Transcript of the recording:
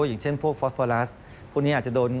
อย่างเช่นพวกฟอสฟอรัสพวกนี้อาจจะโดน